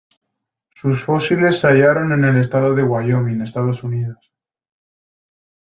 Sus fósiles se hallaron en el estado de Wyoming, Estados Unidos.